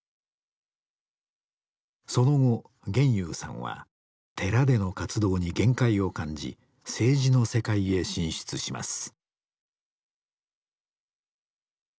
その後現祐さんは寺での活動に限界を感じ政治の世界へ進出します。